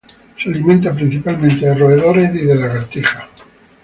Se alimenta principalmente de roedores y lagartijas.